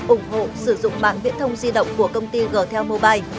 ủng hộ sử dụng mạng viễn thông di động của công ty g tel mobile